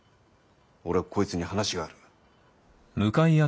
俺はこいつに話がある。